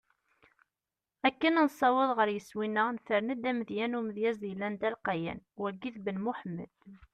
Akken ad nessaweḍ ɣer yiswi-neɣ, nefren-d amedya n umedyaz yellan d alqayan: Wagi d Ben Muḥemmed.